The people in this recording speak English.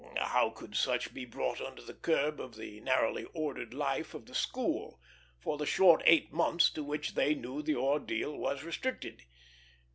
How could such be brought under the curb of the narrowly ordered life of the school, for the short eight months to which they knew the ordeal was restricted?